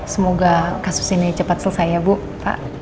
semoga kasus ini cepat selesai ya bu pak